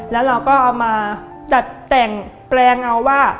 แล้วเราก็เอามาจัดแต่งแปลงเอาว่า